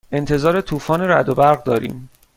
انتظار طوفان رعد و برق داریم.